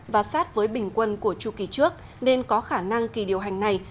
và sát với bình quân của chu kỳ trước nên có khả năng kỳ điều hành này